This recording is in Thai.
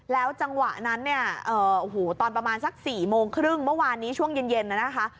แล้วจังหวะนั้นเนี่ยโอ้โหตอนประมาณสัก๔โมงครึ่งเมื่อวานนี้ช่วงเย็นน่ะนะคะ